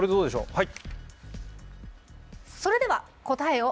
はい。